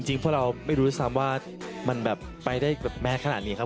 จริงพวกเราไม่รู้สึกซ้ำว่ามันไปได้แม่ขนาดนี้ครับ